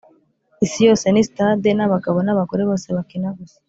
isi yose ni stade, nabagabo nabagore bose bakina gusa.